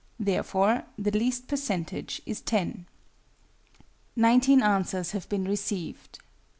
Therefore the least percentage is 10. Nineteen answers have been received.